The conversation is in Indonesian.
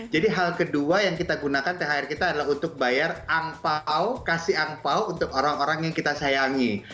jadi hal kedua yang kita gunakan thr kita adalah untuk bayar angpao kasih angpao untuk orang orang yang kita sayangi